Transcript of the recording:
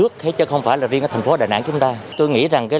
buộc quay đầu với những trường hợp ra đường không thật cần thiết